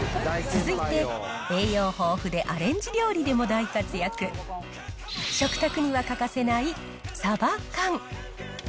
続いて、栄養豊富でアレンジ料理でも大活躍、食卓には欠かせないサバ缶。